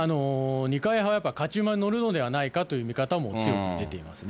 二階派はやっぱり勝ち馬に乗るのではないかという見方も強く出ていますね。